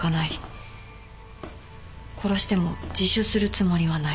殺しても自首するつもりはない。